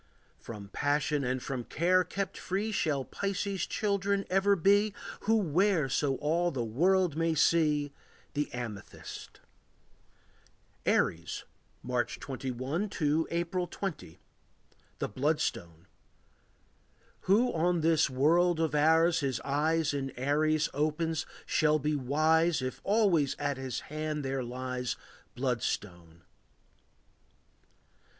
From passion and from care kept free Shall Pisces' children ever be Who wear so all the world may see The amethyst. Aries. March 21 to April 20. The Bloodstone. Who on this world of ours his eyes In Aries opens shall be wise If always on his hand there lies A bloodstone.